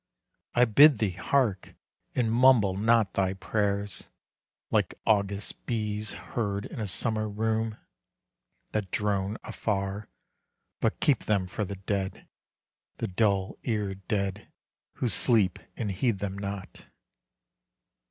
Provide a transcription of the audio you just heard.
I bid thee hark and mumble not thy prayers Like August bees heard in a summer room, That drone afar, but keep them for the dead, The dull eared dead who sleep and heed them not.